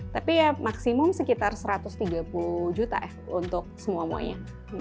tapi ya maksimum sekitar satu ratus tiga puluh juta ya untuk semuanya